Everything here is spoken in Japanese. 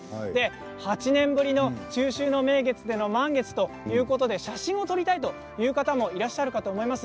８年ぶりの中秋の名月での満月ということで写真を撮りたいという方もいらっしゃるかと思います。